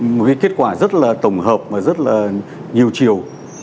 một cái kết quả rất là tổng hợp mà rất là nhiều chiều